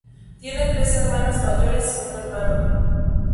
Tiene tres hermanas mayores y un hermano.